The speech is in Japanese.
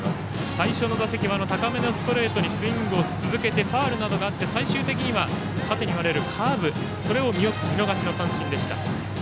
最初の打席は高めのストレートにスイングし続けてファウルなどがあって最終的には縦に割れるカーブで見逃しの三振でした。